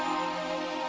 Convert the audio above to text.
ya udah deh